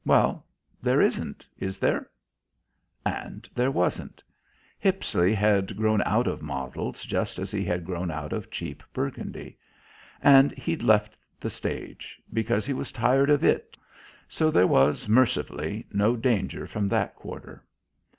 Well, there isn't is there?" And there wasn't. Hippisley had grown out of models just as he had grown out of cheap Burgundy. And he'd left the stage, because he was tired of it, so there was, mercifully, no danger from that quarter.